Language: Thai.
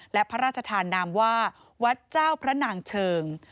และพระราชธานามว่าวัดเจ้าพระนางเชิง